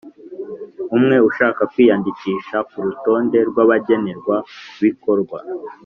umwe ushaka kwiyandikisha ku rutonde rwabagenerwa bikorwa